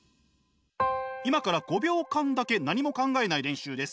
今から５秒間だけ何も考えない練習です。